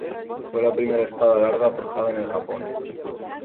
Fue la primera espada larga forjada en el Japón.